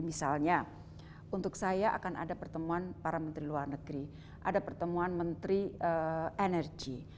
misalnya untuk saya akan ada pertemuan para menteri luar negeri ada pertemuan menteri energi